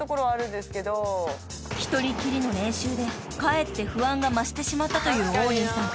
［１人きりの練習でかえって不安が増してしまったという王林さん。